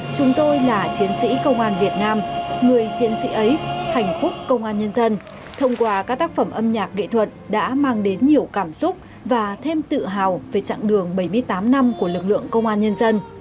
chúng tôi là chiến sĩ công an việt nam người chiến sĩ ấy hạnh phúc công an nhân dân thông qua các tác phẩm âm nhạc nghệ thuật đã mang đến nhiều cảm xúc và thêm tự hào về chặng đường bảy mươi tám năm của lực lượng công an nhân dân